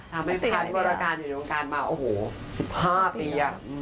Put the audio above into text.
ถ้าไม่พันธ์บริการอยู่ด้านการมา๑๕ปี